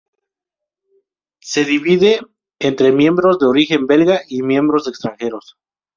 Se divide entre miembros de origen belga y miembros extranjeros.